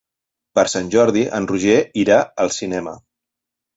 Per Sant Jordi en Roger irà al cinema.